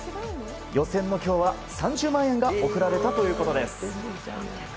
予選の今日は３０万円が贈られたということです。